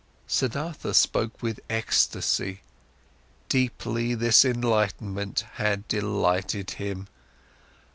Siddhartha spoke with ecstasy; deeply, this enlightenment had delighted him.